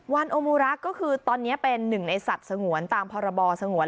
วันโอมูรักษ์ก็คือตอนนี้เป็นหนึ่งในสัตว์สงวนตามพรบสงวน